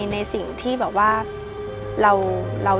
ในสิ่งที่เรา